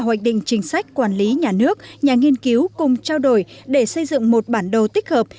hoạch định chính sách quản lý nhà nước nhà nghiên cứu cùng trao đổi để xây dựng một bản đồ tích hợp